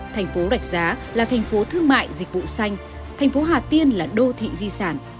thành phố rạch giá là thành phố thương mại dịch vụ xanh thành phố hà tiên là đô thị di sản